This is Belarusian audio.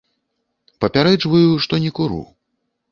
Папярэджваю, што не куру.